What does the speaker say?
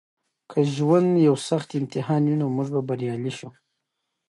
که ژوند یو سخت امتحان وي نو موږ به بریالي شو.